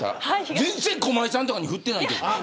全然、駒井さんとかに振ってないけど。